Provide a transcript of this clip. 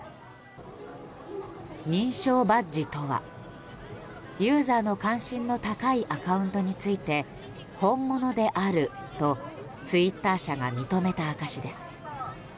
認証バッジとは、ユーザーの関心の高いアカウントについて本物であるとツイッター社が認めた証しです。